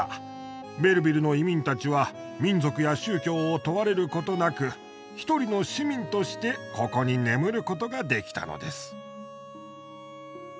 ベルヴィルの移民たちは民族や宗教を問われることなく一人の市民としてここに眠ることができたのです。